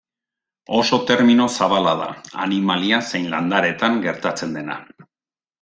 Oso termino zabala da, animalia zein landareetan gertatzen dena.